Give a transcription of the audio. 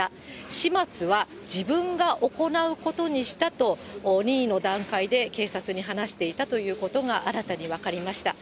始末は自分が行うことにしたと、任意の段階で警察に話していたということが新たに分かりました。